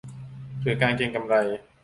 หรือการเก็งกำไร